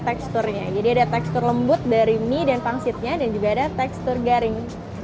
teksturnya jadi ada tekstur lembut dari mie dan pangsitnya dan juga ada tekstur garing